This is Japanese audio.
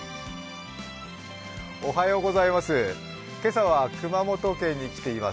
今朝は熊本県に来ています。